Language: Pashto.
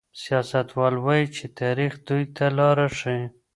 سياستوال وايي چي تاريخ دوی ته لاره ښيي.